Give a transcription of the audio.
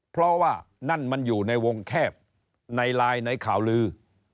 เพราะว่านั่นมันอยู่ในวงแคบในไลน์ในข่าวลือ